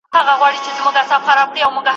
دا بلي ډېوې مړې که زما خوبونه تښتوي